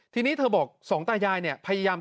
ทีนี้เธอบอกสองตายายเนี่ยพยายาม